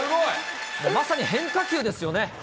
まさに変化球ですよね。